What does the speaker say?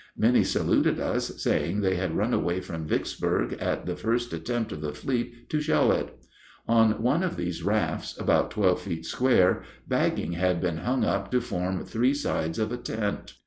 Many saluted us, saying they had run away from Vicksburg at the first attempt of the fleet to shell it. On one of these rafts, about twelve feet square, bagging had been hung up to form three sides of a tent.